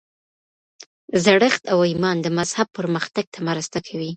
زړښت او ایمان د مذهب پرمختګ ته مرسته کوي.